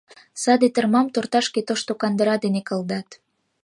Саде тырмам торташке тошто кандыра дене кылдат.